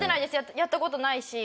やった事ないし。